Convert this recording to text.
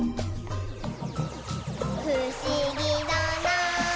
「ふしぎだなぁ」